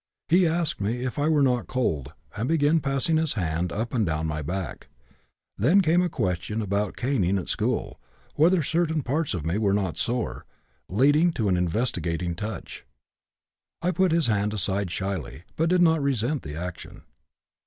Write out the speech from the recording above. He asked me if I were not cold, began passing his hand up and down my back; then came a question about caning at school, whether certain parts of me were not sore, leading to an investigating touch. I put his hand aside shyly, but did not resent the action.